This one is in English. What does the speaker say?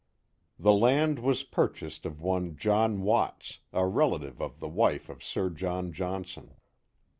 The land was purciiased of one John Watts, a relative o( the wife of Sir John Johnson.